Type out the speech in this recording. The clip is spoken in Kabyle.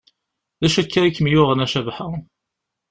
D acu akka i kem-yuɣen a Cabḥa?